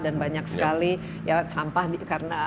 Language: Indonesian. dan banyak sekali ya sampah karena pengelolaan